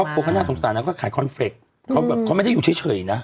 ซึ่งเขาบอกว่าน่าสงสารนะก็ขายคอนเฟรคเขาแบบเขาไม่ได้อยู่เฉยนะ